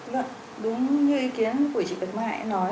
vâng đúng như ý kiến của chị bạch mai ấy nói